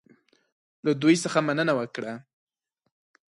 له دوی څخه مننه وکړه.